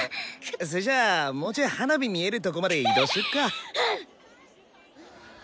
それじゃあもうちょい花火見えるとこまで移動しよっか。